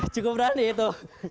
cukup berani itu